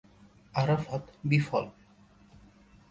আরাফাত বিফল।